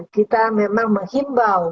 kita memang menghimbau